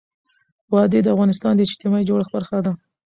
وادي د افغانستان د اجتماعي جوړښت برخه ده.